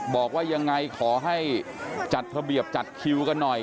บอกว่ายังไงขอให้จัดระเบียบจัดคิวกันหน่อย